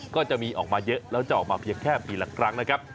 ก็จะมีออกมาเยอะแล้วจะออกมาเพียงแค่ปีละครั้งนะครับ